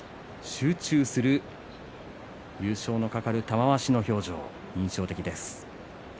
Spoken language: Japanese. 集中する優勝の懸かる玉鷲の表情表情が印象的です。